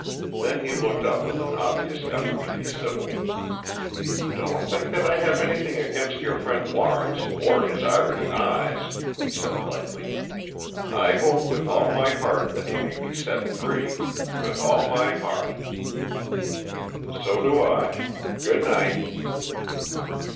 Then he looked up, with an obvious effort to be civil. "Don't think that I have anything against your friend Lawrence or his Irish eyes," he said lightly. "I hope with all my heart that he may be set free, with all my heart." "So do I. Good night."